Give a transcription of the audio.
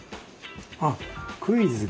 あっクイズか。